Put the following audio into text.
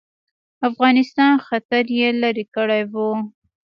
افغانستان خطر یې لیري کړی وو.